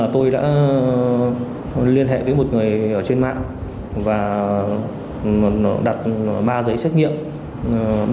tôi đã liên hệ với một người ở trên mạng và đặt ba giấy xét nghiệm